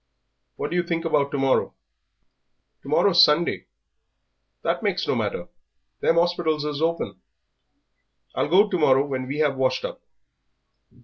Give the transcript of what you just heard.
What do you think about to morrow?" "To morrow's Sunday." "That makes no matter, them horspitals is open." "I'll go to morrow when we have washed up."